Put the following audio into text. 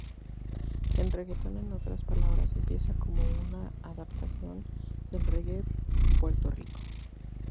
El reggaetón en otras palabras, empieza como una adaptación del reggae Puerto Rico.